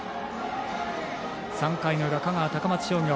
３回の裏、香川、高松商業。